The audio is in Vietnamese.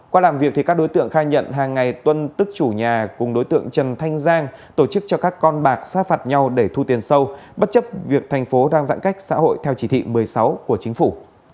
qua làm việc các đối tượng khai nhận hàng ngày tuân tức chủ nhà cùng đối tượng trần thanh giang tổ chức cho các con bạc sát phạt nhau để thu tiền sâu bất chấp việc thành phố đang giãn cách xã hội theo chỉ thị một mươi sáu của chính phủ